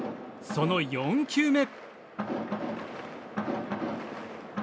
その４球目。